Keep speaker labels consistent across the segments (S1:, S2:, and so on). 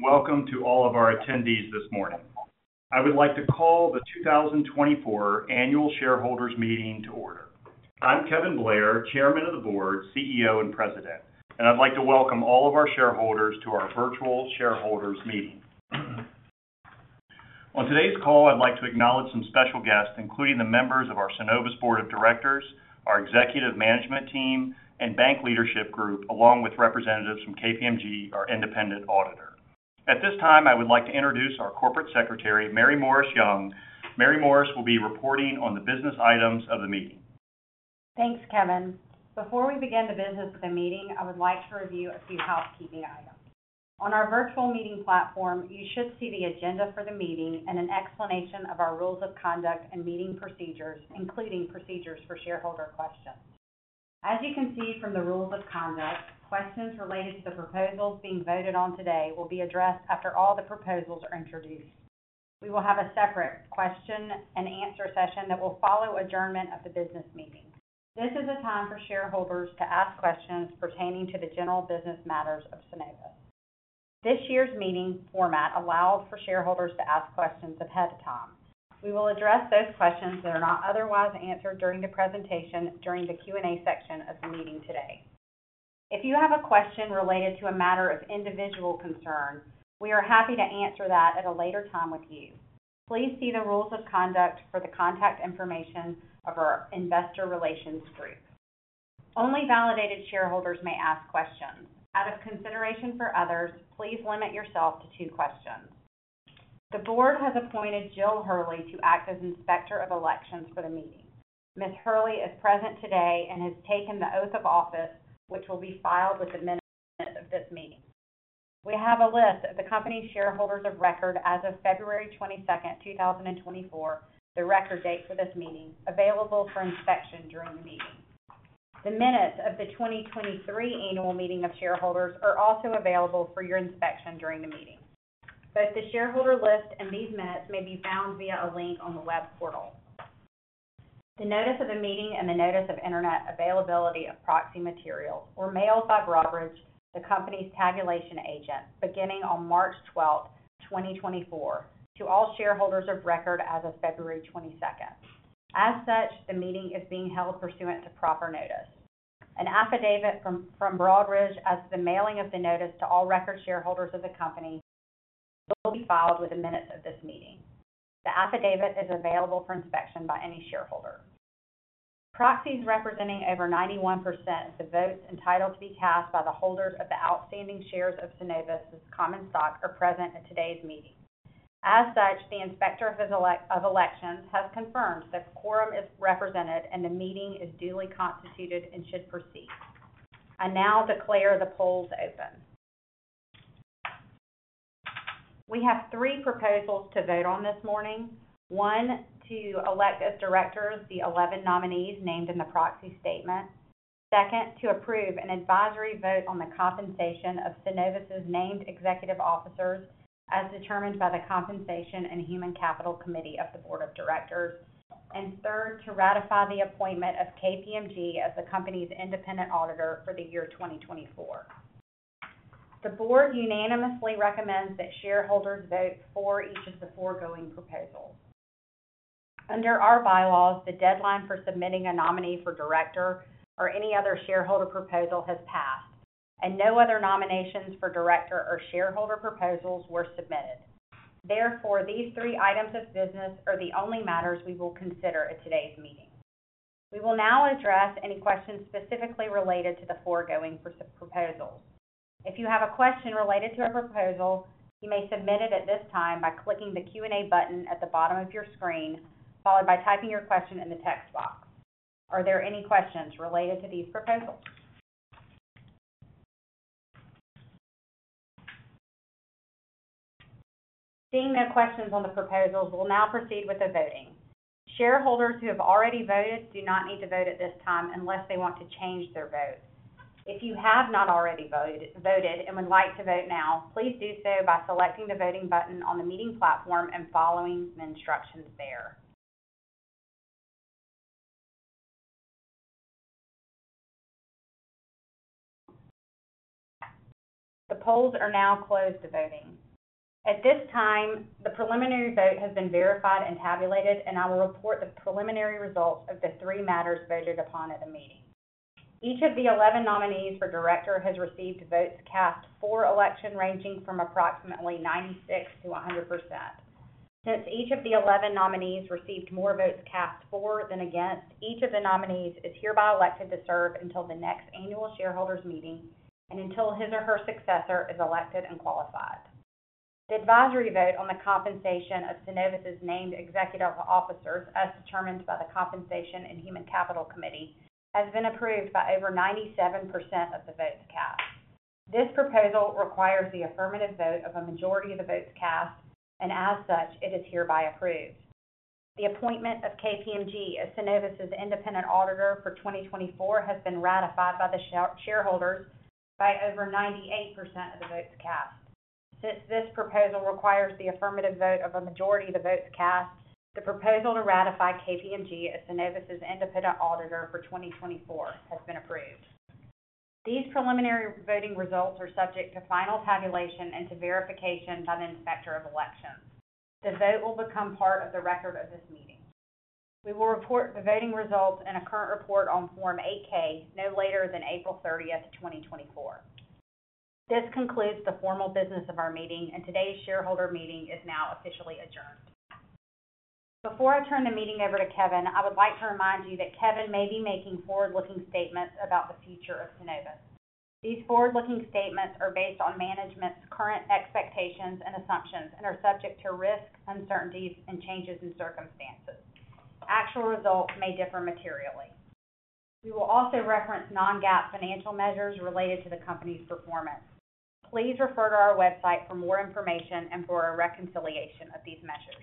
S1: Good morning and welcome to all of our attendees this morning. I would like to call the 2024 Annual Shareholders' Meeting to order. I'm Kevin Blair, Chairman of the Board, CEO, and President, and I'd like to welcome all of our shareholders to our virtual shareholders' meeting. On today's call, I'd like to acknowledge some special guests, including the members of our Synovus Board of Directors, our executive management team, and bank leadership group, along with representatives from KPMG, our independent auditor. At this time, I would like to introduce our Corporate Secretary, Mary Maurice Young. Mary Maurice will be reporting on the business items of the meeting.
S2: Thanks, Kevin. Before we begin the business of the meeting, I would like to review a few housekeeping items. On our virtual meeting platform, you should see the agenda for the meeting and an explanation of our rules of conduct and meeting procedures, including procedures for shareholder questions. As you can see from the rules of conduct, questions related to the proposals being voted on today will be addressed after all the proposals are introduced. We will have a separate question-and-answer session that will follow adjournment of the business meeting. This is a time for shareholders to ask questions pertaining to the general business matters of Synovus. This year's meeting format allowed for shareholders to ask questions ahead of time. We will address those questions that are not otherwise answered during the presentation during the Q&A section of the meeting today. If you have a question related to a matter of individual concern, we are happy to answer that at a later time with you. Please see the rules of conduct for the contact information of our investor relations group. Only validated shareholders may ask questions. Out of consideration for others, please limit yourself to two questions. The Board has appointed Jill Hurley to act as inspector of elections for the meeting. Ms. Hurley is present today and has taken the oath of office, which will be filed with the minutes of this meeting. We have a list of the company's shareholders of record as of February 22nd, 2024, the record date for this meeting, available for inspection during the meeting. The minutes of the 2023 Annual Meeting of Shareholders are also available for your inspection during the meeting. Both the shareholder list and these minutes may be found via a link on the web portal. The notice of the meeting and the notice of internet availability of proxy materials were mailed by Broadridge, the company's tabulation agent, beginning on March 12th, 2024, to all shareholders of record as of February 22nd, 2024. As such, the meeting is being held pursuant to proper notice. An affidavit from Broadridge as to the mailing of the notice to all record shareholders of the company will be filed with the minutes of this meeting. The affidavit is available for inspection by any shareholder. Proxies representing over 91% of the votes entitled to be cast by the holders of the outstanding shares of Synovus Common Stock are present at today's meeting. As such, the inspector of elections has confirmed the quorum is represented and the meeting is duly constituted and should proceed. I now declare the polls open. We have three proposals to vote on this morning: one, to elect as Directors the 11 nominees named in the proxy statement, second, to approve an advisory vote on the compensation of Synovus's named Executive Officers as determined by the Compensation and Human Capital Committee of the Board of Directors, and third, to ratify the appointment of KPMG as the company's independent auditor for the year 2024. The Board unanimously recommends that shareholders vote for each of the foregoing proposals. Under our bylaws, the deadline for submitting a nominee for Director or any other shareholder proposal has passed, and no other nominations for Director or shareholder proposals were submitted. Therefore, these three items of business are the only matters we will consider at today's meeting. We will now address any questions specifically related to the foregoing proposals. If you have a question related to a proposal, you may submit it at this time by clicking the Q&A button at the bottom of your screen, followed by typing your question in the text box. Are there any questions related to these proposals? Seeing no questions on the proposals, we'll now proceed with the voting. Shareholders who have already voted do not need to vote at this time unless they want to change their vote. If you have not already voted and would like to vote now, please do so by selecting the voting button on the meeting platform and following the instructions there. The polls are now closed to voting. At this time, the preliminary vote has been verified and tabulated, and I will report the preliminary results of the three matters voted upon at the meeting. Each of the 11 nominees for director has received votes cast for election ranging from approximately 96%-100%. Since each of the 11 nominees received more votes cast for than against, each of the nominees is hereby elected to serve until the next Annual Shareholders' Meeting and until his or her successor is elected and qualified. The advisory vote on the compensation of Synovus's named executive officers as determined by the Compensation and Human Capital Committee has been approved by over 97% of the votes cast. This proposal requires the affirmative vote of a majority of the votes cast, and as such, it is hereby approved. The appointment of KPMG as Synovus's independent auditor for 2024 has been ratified by the shareholders by over 98% of the votes cast. Since this proposal requires the affirmative vote of a majority of the votes cast, the proposal to ratify KPMG as Synovus's independent auditor for 2024 has been approved. These preliminary voting results are subject to final tabulation and to verification by the inspector of elections. The vote will become part of the record of this meeting. We will report the voting results in a current report on Form 8-K no later than April 30th, 2024. This concludes the formal business of our meeting, and today's shareholder meeting is now officially adjourned. Before I turn the meeting over to Kevin, I would like to remind you that Kevin may be making forward-looking statements about the future of Synovus. These forward-looking statements are based on management's current expectations and assumptions and are subject to risk, uncertainties, and changes in circumstances. Actual results may differ materially. We will also reference non-GAAP financial measures related to the company's performance. Please refer to our website for more information and for a reconciliation of these measures.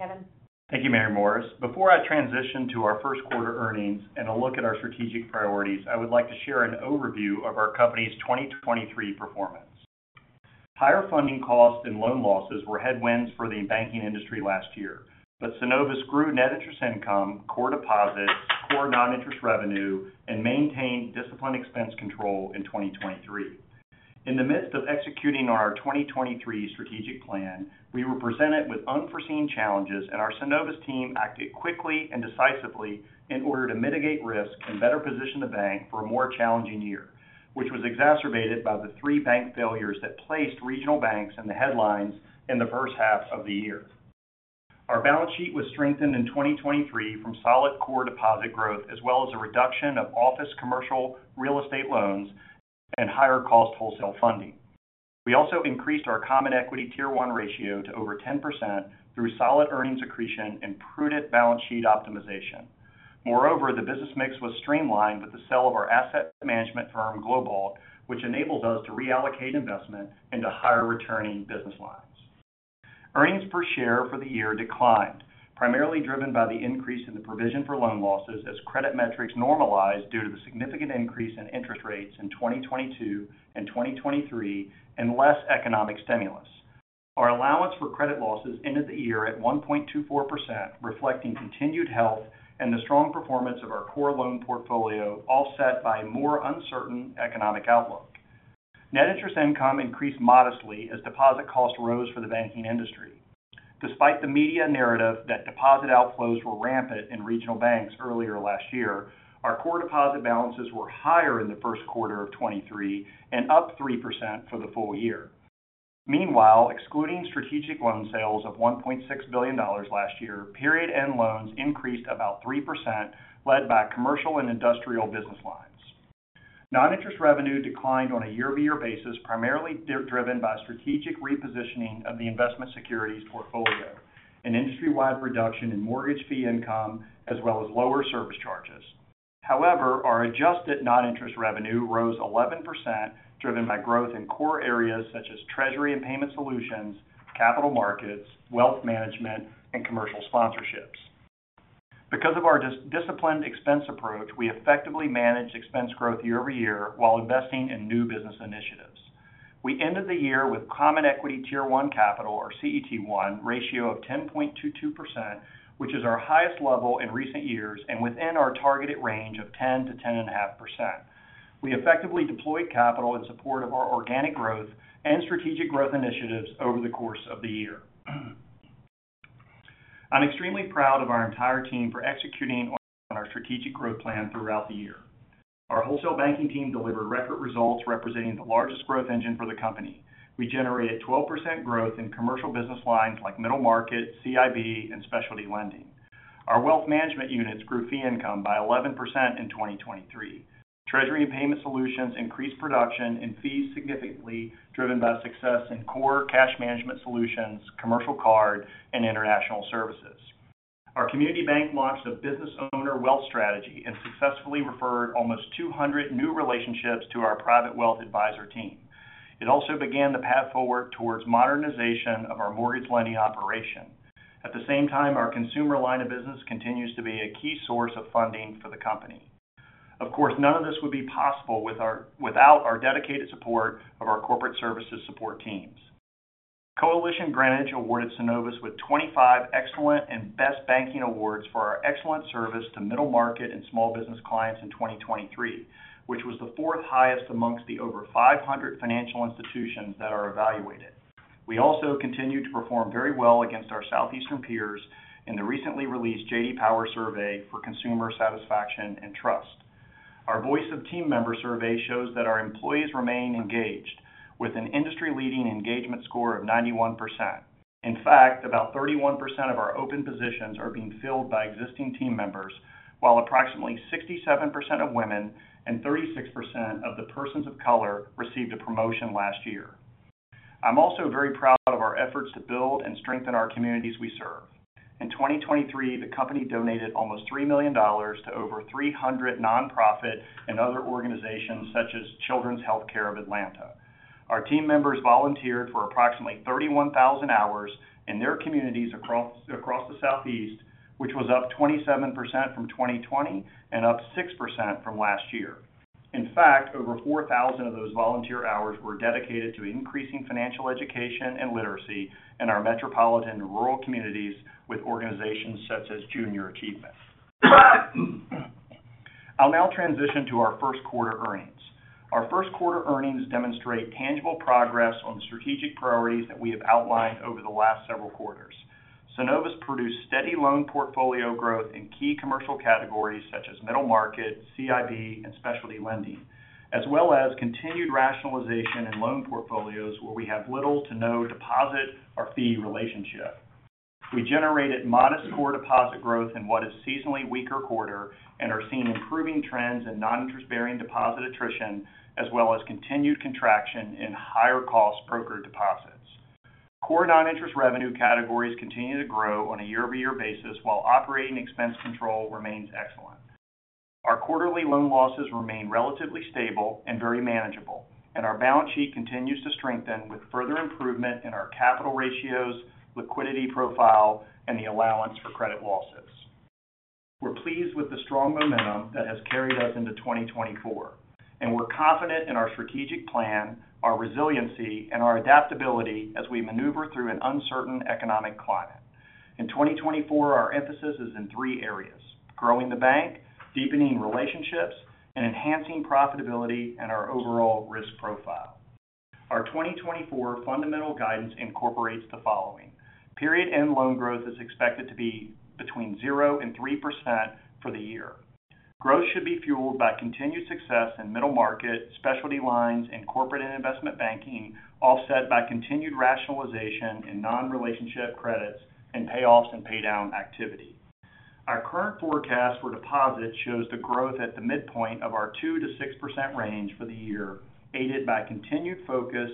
S2: Kevin?
S1: Thank you, Mary Maurice. Before I transition to our first quarter earnings and a look at our strategic priorities, I would like to share an overview of our company's 2023 performance. Higher funding costs and loan losses were headwinds for the banking industry last year, but Synovus grew net interest income, core deposits, core non-interest revenue, and maintained disciplined expense control in 2023. In the midst of executing on our 2023 strategic plan, we were presented with unforeseen challenges, and our Synovus team acted quickly and decisively in order to mitigate risks and better position the bank for a more challenging year, which was exacerbated by the three bank failures that placed regional banks in the headlines in the first half of the year. Our balance sheet was strengthened in 2023 from solid core deposit growth as well as a reduction of office commercial real estate loans and higher-cost wholesale funding. We also increased our Common Equity Tier 1 ratio to over 10% through solid earnings accretion and prudent balance sheet optimization. Moreover, the business mix was streamlined with the sale of our asset management firm, Globalt, which enables us to reallocate investment into higher-returning business lines. Earnings per share for the year declined, primarily driven by the increase in the provision for loan losses as credit metrics normalized due to the significant increase in interest rates in 2022 and 2023 and less economic stimulus. Our allowance for credit losses ended the year at 1.24%, reflecting continued health and the strong performance of our core loan portfolio, offset by a more uncertain economic outlook. Net interest income increased modestly as deposit cost rose for the banking industry. Despite the media narrative that deposit outflows were rampant in regional banks earlier last year, our core deposit balances were higher in the first quarter of 2023 and up 3% for the full year. Meanwhile, excluding strategic loan sales of $1.6 billion last year, period-end loans increased about 3%, led by commercial and industrial business lines. Non-interest revenue declined on a year-over-year basis, primarily driven by strategic repositioning of the investment securities portfolio, an industry-wide reduction in mortgage fee income, as well as lower service charges. However, our adjusted non-interest revenue rose 11%, driven by growth in core areas such as Treasury and Payment Solutions, capital markets, wealth management, and commercial sponsorships. Because of our disciplined expense approach, we effectively managed expense growth year-over-year while investing in new business initiatives. We ended the year with Common Equity Tier 1 capital, or CET1, ratio of 10.22%, which is our highest level in recent years and within our targeted range of 10%-10.5%. We effectively deployed capital in support of our organic growth and strategic growth initiatives over the course of the year. I'm extremely proud of our entire team for executing on our strategic growth plan throughout the year. Our Wholesale Banking team delivered record results representing the largest growth engine for the company. We generated 12% growth in commercial business lines like middle market, CIB, and Specialty Lending. Our wealth management units grew fee income by 11% in 2023. Treasury and Payment Solutions increased production and fees significantly, driven by success in core cash management solutions, commercial card, and international services. Our Community Bank launched a Business Owner Wealth Strategy and successfully referred almost 200 new relationships to our Private Wealth Advisor team. It also began the path forward towards modernization of our mortgage lending operation. At the same time, our consumer line of business continues to be a key source of funding for the company. Of course, none of this would be possible without our dedicated support of our corporate services support teams. Coalition Greenwich awards Synovus with 25 Excellence and Best in Banking Awards for our excellent service to middle market and small business clients in 2023, which was the fourth highest among the over 500 financial institutions that are evaluated. We also continue to perform very well against our Southeastern peers in the recently released J.D. Power survey for consumer satisfaction and trust. Our Voice of Team Member survey shows that our employees remain engaged, with an industry-leading engagement score of 91%. In fact, about 31% of our open positions are being filled by existing team members, while approximately 67% of women and 36% of the persons of color received a promotion last year. I'm also very proud of our efforts to build and strengthen our communities we serve. In 2023, the company donated almost $3 million to over 300 nonprofit and other organizations such as Children's Healthcare of Atlanta. Our team members volunteered for approximately 31,000 hours in their communities across the Southeast, which was up 27% from 2020 and up 6% from last year. In fact, over 4,000 of those volunteer hours were dedicated to increasing financial education and literacy in our metropolitan and rural communities with organizations such as Junior Achievement. I'll now transition to our first quarter earnings. Our first quarter earnings demonstrate tangible progress on the strategic priorities that we have outlined over the last several quarters. Synovus produced steady loan portfolio growth in key commercial categories such as middle market, CIB, and Specialty Lending, as well as continued rationalization in loan portfolios where we have little to no deposit or fee relationship. We generated modest core deposit growth in what is seasonally weaker quarter and are seeing improving trends in non-interest bearing deposit attrition, as well as continued contraction in higher-cost brokered deposits. Core non-interest revenue categories continue to grow on a year-over-year basis while operating expense control remains excellent. Our quarterly loan losses remain relatively stable and very manageable, and our balance sheet continues to strengthen with further improvement in our capital ratios, liquidity profile, and the allowance for credit losses. We're pleased with the strong momentum that has carried us into 2024, and we're confident in our strategic plan, our resiliency, and our adaptability as we maneuver through an uncertain economic climate. In 2024, our emphasis is in three areas: growing the bank, deepening relationships, and enhancing profitability and our overall risk profile. Our 2024 fundamental guidance incorporates the following: period-end loan growth is expected to be between 0% and 3% for the year. Growth should be fueled by continued success in middle market, specialty lines, and Corporate and Investment Banking, offset by continued rationalization in non-relationship credits and payoffs and paydown activity. Our current forecast for deposit shows the growth at the midpoint of our 2%-6% range for the year, aided by continued focus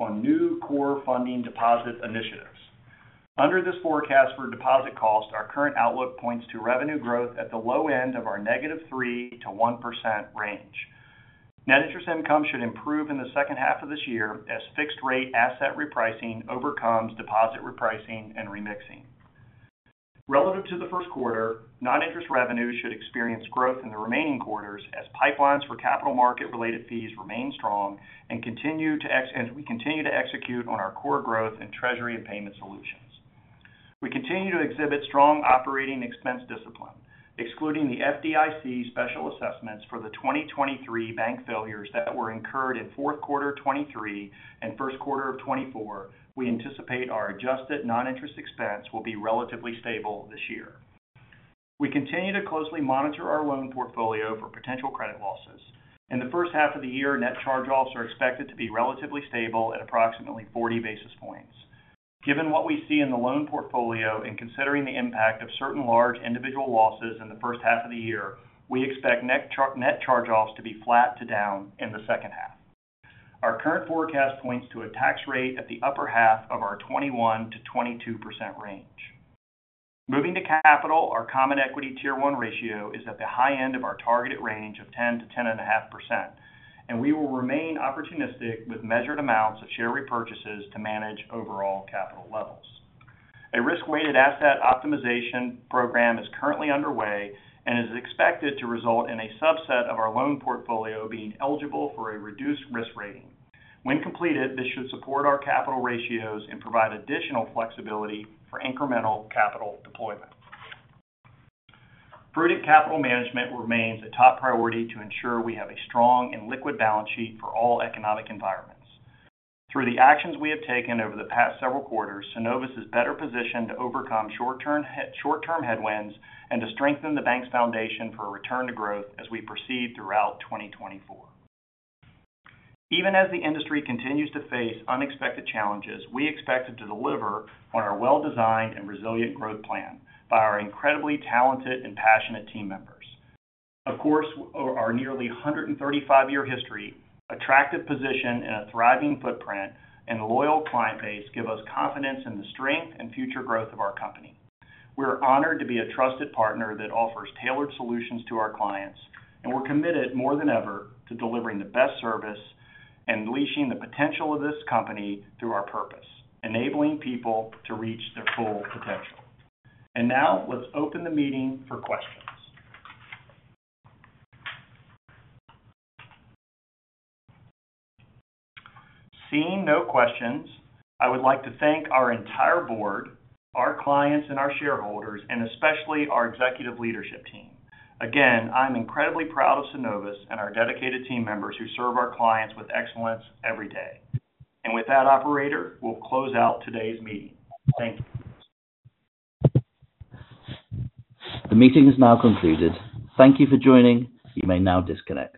S1: on new core funding deposit initiatives. Under this forecast for deposit cost, our current outlook points to revenue growth at the low end of our -3% to 1% range. Net interest income should improve in the second half of this year as fixed-rate asset repricing overcomes deposit repricing and remixing. Relative to the first quarter, non-interest revenue should experience growth in the remaining quarters as pipelines for capital market-related fees remain strong and continue to execute on our core growth in Treasury and Payment Solutions. We continue to exhibit strong operating expense discipline. Excluding the FDIC special assessments for the 2023 bank failures that were incurred in fourth quarter 2023 and first quarter of 2024, we anticipate our adjusted non-interest expense will be relatively stable this year. We continue to closely monitor our loan portfolio for potential credit losses. In the first half of the year, net charge-offs are expected to be relatively stable at approximately 40 basis points. Given what we see in the loan portfolio and considering the impact of certain large individual losses in the first half of the year, we expect net charge-offs to be flat to down in the second half. Our current forecast points to a tax rate at the upper half of our 21%-22% range. Moving to capital, our Common Equity Tier 1 ratio is at the high end of our targeted range of 10%-10.5%, and we will remain opportunistic with measured amounts of share repurchases to manage overall capital levels. A risk-weighted asset optimization program is currently underway and is expected to result in a subset of our loan portfolio being eligible for a reduced risk rating. When completed, this should support our capital ratios and provide additional flexibility for incremental capital deployment. Prudent capital management remains a top priority to ensure we have a strong and liquid balance sheet for all economic environments. Through the actions we have taken over the past several quarters, Synovus is better positioned to overcome short-term headwinds and to strengthen the bank's foundation for a return to growth as we proceed throughout 2024. Even as the industry continues to face unexpected challenges, we expect it to deliver on our well-designed and resilient growth plan by our incredibly talented and passionate team members. Of course, our nearly 135-year history, attractive position in a thriving footprint, and loyal client base give us confidence in the strength and future growth of our company. We are honored to be a trusted partner that offers tailored solutions to our clients, and we're committed more than ever to delivering the best service and unleashing the potential of this company through our purpose, enabling people to reach their full potential. And now, let's open the meeting for questions. Seeing no questions, I would like to thank our entire Board, our clients, and our shareholders, and especially our executive leadership team. Again, I'm incredibly proud of Synovus and our dedicated team members who serve our clients with excellence every day. And with that, operator, we'll close out today's meeting. Thank you.
S3: The meeting is now concluded. Thank you for joining. You may now disconnect.